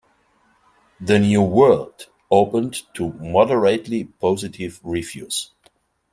"The New World" opened to moderately positive reviews.